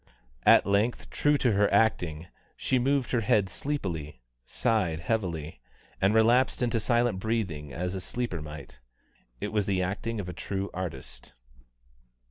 At length, true to her acting, she moved her head sleepily, sighed heavily, and relapsed into silent breathing as a sleeper might. It was the acting of a true artist.